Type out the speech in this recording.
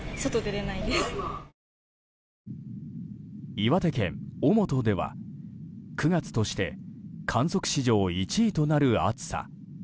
岩手県小本では９月として観測史上１位となる暑さ。